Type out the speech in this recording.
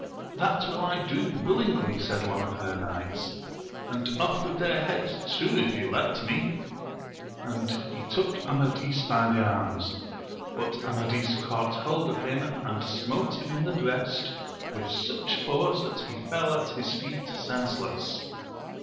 That will I do willingly, said one of her knights, and off with ^ heads too if you let me ! and he took Amadi& \ arma; but Amadis caught liold oi\)iTti)^aA^afiy 182 AMADIS OF GAUL. in the breast with such force that he fell at his feet senseless.